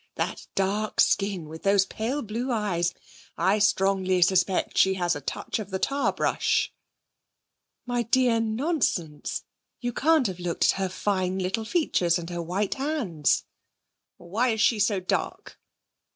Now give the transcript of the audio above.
That dark skin with those pale blue eyes! I strongly suspect she has a touch of the tarbrush.' 'My dear! Nonsense. You can't have looked at her fine little features and her white hands.' 'Why is she so dark?'